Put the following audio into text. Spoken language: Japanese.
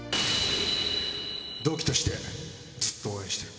同期としてずっと応援してる。